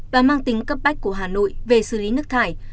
và mang tính cấp bách của hà nội về xử lý nước thải